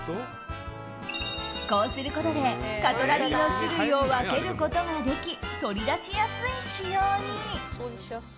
こうすることで、カトラリーの種類を分けることができ取り出しやすい仕様に。